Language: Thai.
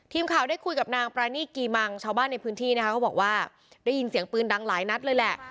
ทีมข่าวได้คุยกับนางปรานีกีมังชาวบ้านในพื้นที่นะคะเขาบอกว่าได้ยินเสียงปืนดังหลายนัดเลยแหละ